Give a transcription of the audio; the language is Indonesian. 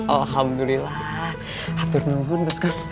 alhamdulillah haturnung pun bos kos